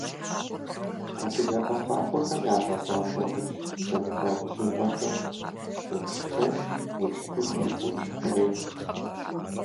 Адыгэ къэфакӏуэхэм ягъэзащӏэ удж зэмылӏэужьыгъуэхэр: уджхэш, удж пыху, удж хъурей.